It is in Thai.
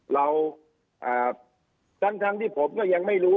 เราทั้งที่ผมก็ยังไม่รู้